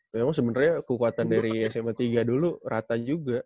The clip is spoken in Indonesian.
memang sebenarnya kekuatan dari sma tiga dulu rata juga